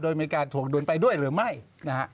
โดยมีการถวงดุลไปด้วยหรือไม่นะฮะ